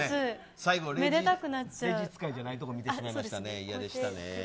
最後、レジ使いじゃないところ見てしまいましたね。